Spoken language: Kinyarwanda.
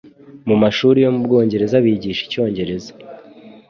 mumashuri yo Mubwongereza bigisha icyongereza